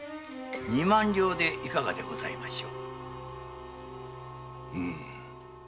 二万両でいかがでございましょう？